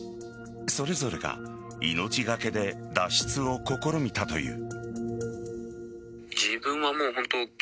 それぞれが命がけで脱出を試みたという。